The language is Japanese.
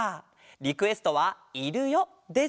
リクエストは「いるよ」です。